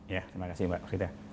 ya terima kasih mbak frida